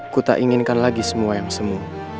ku tak inginkan lagi semua yang semu